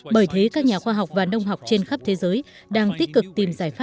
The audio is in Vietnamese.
bởi thế các nhà khoa học và nông học trên khắp thế giới đang tích cực tìm giải pháp